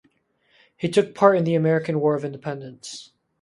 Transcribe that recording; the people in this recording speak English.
He took part in the American war of independence.